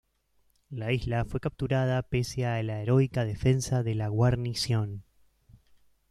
La isla fue capturada pese a la heroica defensa de la guarnición.